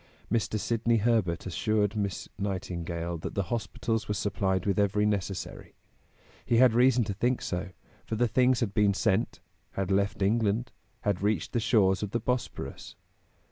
Mr. Sidney Herbert assured Miss Nightingale that the hospitals were supplied with every necessary. He had reason to think so, for the things had been sent, had left England, had reached the shores of the Bosporus.